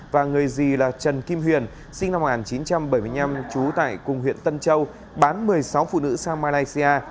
và người dì là trần kim huyền sinh năm một nghìn chín trăm bảy mươi năm trú tại cùng huyện tân châu bán một mươi sáu phụ nữ sang malaysia